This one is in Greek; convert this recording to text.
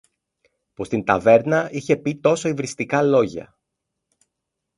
που στην ταβέρνα είχε πει τόσο υβριστικά λόγια